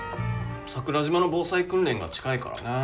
桜島の防災訓練が近いからね。